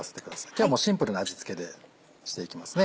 今日もうシンプルな味付けでしていきますね。